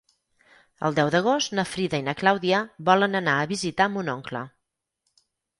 El deu d'agost na Frida i na Clàudia volen anar a visitar mon oncle.